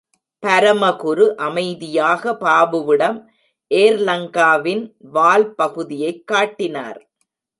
பரமகுரு அமைதியாக பாபுவிடம், ஏர்லங்கா வின் வால் பகுதியைக் காட்டினார்.